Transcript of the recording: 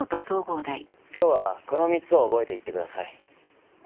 今日はこの３つを覚えていってください。